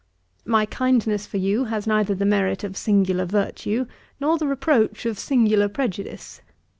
My kindness for you has neither the merit of singular virtue, nor the reproach of singular prejudice.